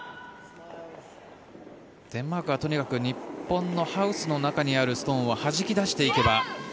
デンマークはとにかく日本のハウスの中にあるストーンをはじき出していけば。